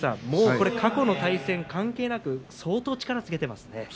もうこれは過去の対戦関係なく相当、力をつけていますね。